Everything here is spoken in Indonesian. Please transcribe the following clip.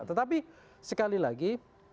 tetapi sekali lagi